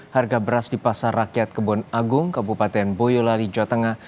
harga beras di pasar rakyat kebon agung kabupaten boyolali jawa tengah